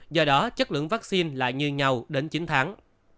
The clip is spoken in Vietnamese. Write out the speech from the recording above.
do đó chất lượng vaccine lại như nhau đến chín tháng